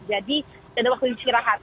jadi ada waktu istirahat